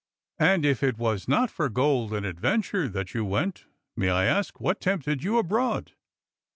"And if it was not for gold and adventure that you went, may I ask what tempted you abroad?"